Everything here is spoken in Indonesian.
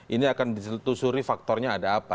ini akan ditelusuri faktornya ada apa